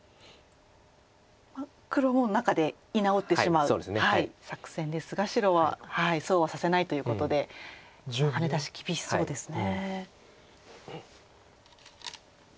黒も中で居直ってしまう作戦ですが白はそうはさせないということでハネ出し厳しそうですね。